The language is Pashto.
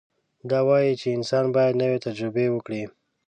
دا وایي چې انسان باید نوې تجربې وکړي.